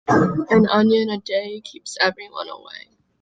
An onion a day keeps everyone away.